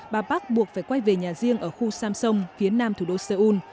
bà park buộc phải quay về nhà riêng ở khu samsung phía nam thủ đô seoul